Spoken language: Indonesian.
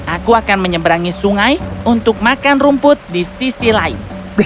aku akan menyeberangi sungai untuk makan rumput di sisi lain